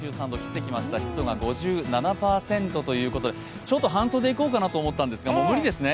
湿度が５７％ということで、ちょっと半袖いこうかなと思ったんですが、もう無理ですね。